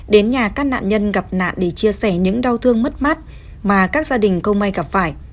đến nhà các nạn nhân gặp nạn để chia sẻ những đau thương mất mát mà các gia đình không may gặp phải